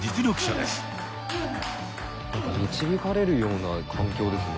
何か導かれるような環境ですね。